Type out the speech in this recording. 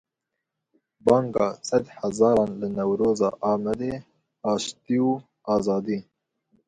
Banga sed hezaran li Newroza Amedê: Aştî û azadî